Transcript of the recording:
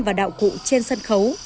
và đạo cụ trên sân khấu